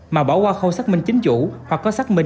mà bỏ qua khâu xác minh chính chủ hoặc có xác minh